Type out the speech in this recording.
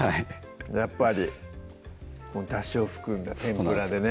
やっぱりこのだしを含んだ天ぷらでね